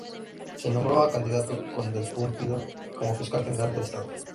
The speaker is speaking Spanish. Se nombró a Cándido Conde-Pumpido como Fiscal General del Estado.